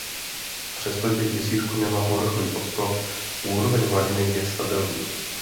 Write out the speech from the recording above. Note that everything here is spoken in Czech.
Přestože jezírko nemá povrchový odtok úroveň hladiny je stabilní.